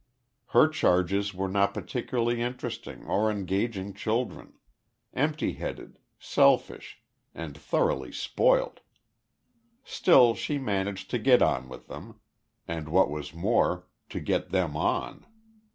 Her charges were not particularly interesting or engaging children; empty headed, selfish, and thoroughly spoilt. Still she managed to get on with them and what was more to get them on.